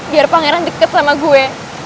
biar pangeran deket sama gue